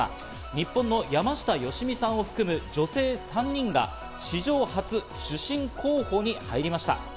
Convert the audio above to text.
日本の山下良美さんを含む、女性３人が史上初主審候補に入りました。